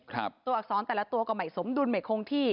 ตัวอักษรแต่ละตัวก็ไม่สมดุลไม่คงที่